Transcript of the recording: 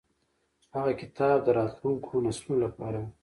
هغه کتاب د راتلونکو نسلونو لپاره و.